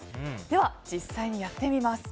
では実際にやってみます。